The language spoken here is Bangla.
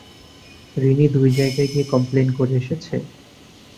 রিনি দুই জায়গায় গিয়ে কমপ্লেন করে এসেছে?